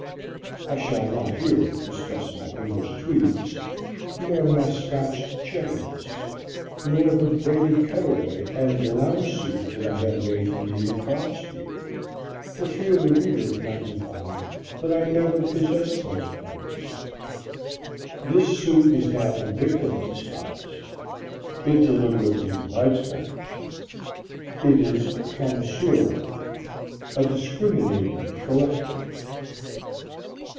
(I shall not here discuss my English tweeds, nor my Scotch cheviots, nor the braided cutaway and the lounge suit that I had made for me in Bond Street, for fear the reader might divine that I never possessed those garments.) This suit is not a victim to spots it deliberately invites them. It is a connoisseur, a discriminating collector.